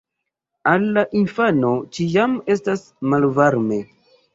Al la infano ĉiam estas malvarme.